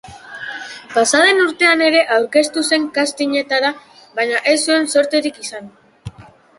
Pasaden urtean ere aurkeztu zen castingetara, baina ez zuen zorterik izan.